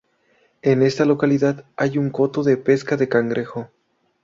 En esta localidad hay un coto de pesca de cangrejo.